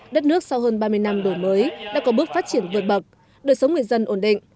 đất nước sau hơn ba mươi năm đổi mới đã có bước phát triển vượt bậc đời sống người dân ổn định